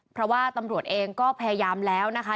เพราะว่าตำรวจเองก็พยายามแล้วนะคะ